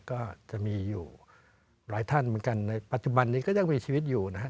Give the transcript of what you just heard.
ก็จะมีอยู่หลายท่านเหมือนกันในปัจจุบันนี้ก็ยังมีชีวิตอยู่นะครับ